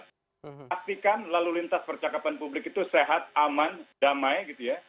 pastikan lalu lintas percakapan publik itu sehat aman damai gitu ya